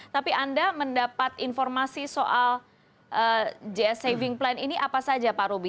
tapi anda mendapat informasi soal saving plan ini apa saja pak ruby